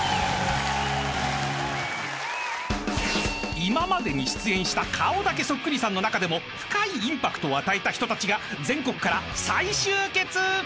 ［今までに出演した顔だけそっくりさんの中でも深いインパクトを与えた人たちが全国から再集結！］